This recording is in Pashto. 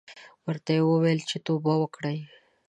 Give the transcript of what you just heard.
ورته ویې ویل چې توبه وکړې.